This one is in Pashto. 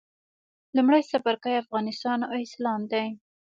لومړی څپرکی افغانستان او اسلام دی.